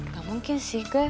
gak mungkin sih gue